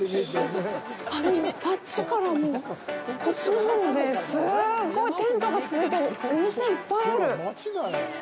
あっ、でもあっちからこっちのほうまですごいテントが続いてお店いっぱいある。